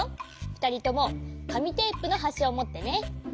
ふたりともかみテープのはしをもってね。